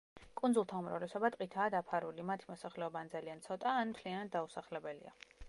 კუნძულთა უმრავლესობა ტყითაა დაფარული, მათი მოსახლეობა ან ძალიან ცოტაა, ან მთლად დაუსახლებელია.